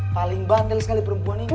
paling bandel sekali perempuan ini